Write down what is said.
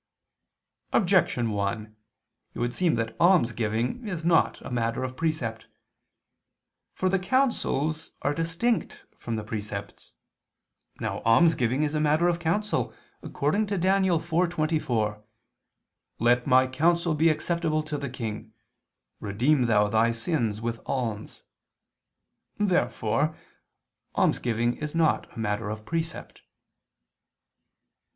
Objection 1: It would seem that almsgiving is not a matter of precept. For the counsels are distinct from the precepts. Now almsgiving is a matter of counsel, according to Dan. 4:24: "Let my counsel be acceptable to the King; [Vulg.: 'to thee, and'] redeem thou thy sins with alms." Therefore almsgiving is not a matter of precept.